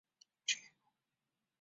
印度薹草为莎草科薹草属的植物。